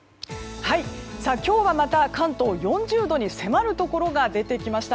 今日はまた、関東４０度に迫るところが出てきました。